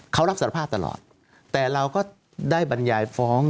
เขารับสารภาพตลอดแต่เราก็ได้บรรยายฟ้อง